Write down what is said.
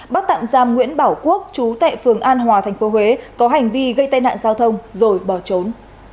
bắt tạm giam nguyễn bảo quốc chú tại phường an hòa tp huế có hành vi gây tai nạn giao thông rồi bỏ trốn